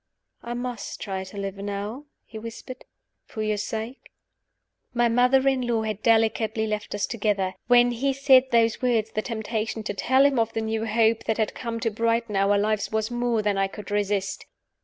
"I must try to live now," he whispered, "for your sake." My mother in law had delicately left us together. When he said those words the temptation to tell him of the new hope that had come to brighten our lives was more than I could resist.